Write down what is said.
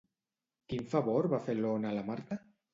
Quin favor va fer l'Ona a la Marta?